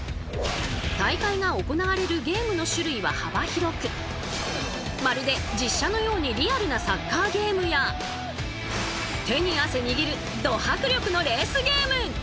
大会が行われるゲームの種類は幅広くまるで実写のようにリアルなサッカーゲームや手に汗握るド迫力のレースゲーム。